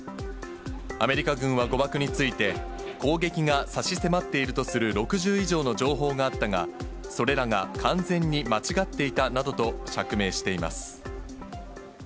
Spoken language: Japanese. アメリカ軍は誤爆について、攻撃が差し迫っているとする６０以上の情報があったが、それらが完全に間違っていたなどと、釈明しています。